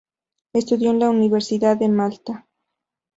Estudió en la Universidad de Malta.